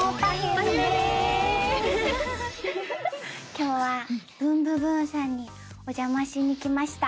今日は『ブンブブーン！』さんにお邪魔しに来ました。